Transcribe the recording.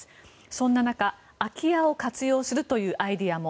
そんな中、空き家を活用するというアイデアも。